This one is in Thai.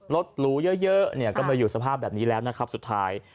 หรูเยอะเนี่ยก็มาอยู่สภาพแบบนี้แล้วนะครับสุดท้าย